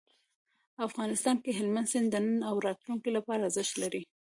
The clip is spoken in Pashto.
افغانستان کې هلمند سیند د نن او راتلونکي لپاره ارزښت لري.